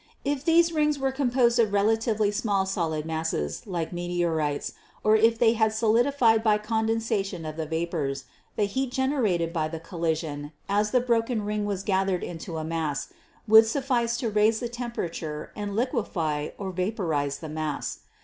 If these rings were composed of relatively small solid masses, like meteorites, or if they had solidified by condensation of the vapors, the heat generated by the collision, as the broken ring was gathered into a mass, would suffice to raise the temperature and liquefy or vaporize the mass.